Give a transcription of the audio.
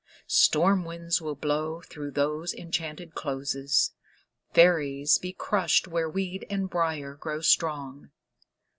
Storm winds will blow through those enchanted closes, Fairies be crushed where weed and briar grow strong